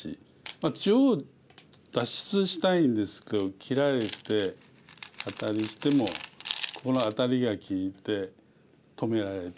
中央脱出したいんですけど切られてアタリしてもここのアタリが利いて止められて。